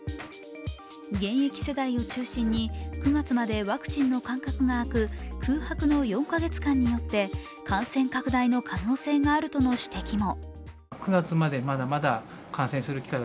現役世代を中心に９月までワクチンの間隔があく空白の４か月間によって、感染拡大の可能性があるとの指摘も。